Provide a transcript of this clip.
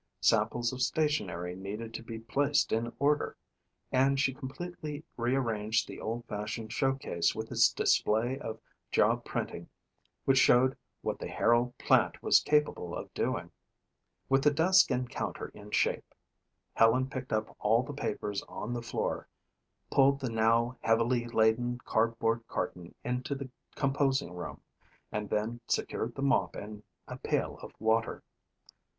Samples of stationery needed to be placed in order and she completely rearranged the old fashioned show case with its display of job printing which showed what the Herald plant was capable of doing. With the desk and counter in shape, Helen picked up all of the papers on the floor, pulled the now heavily laden cardboard carton into the composing room, and then secured the mop and a pail of water.